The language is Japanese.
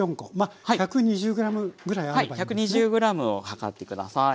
１２０ｇを量って下さい。